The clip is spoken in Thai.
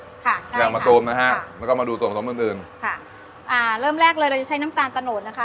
ค่ะอย่างมะตูมนะฮะแล้วก็มาดูส่วนสมอื่นอื่นค่ะอ่าเริ่มแรกเลยเราจะใช้น้ำตาลตะโหดนะคะ